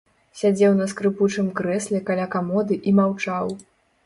Сядзеў на скрыпучым крэсле каля камоды і маўчаў.